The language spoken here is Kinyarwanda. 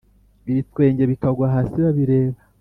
ibitwenge bikagwa hasi babireba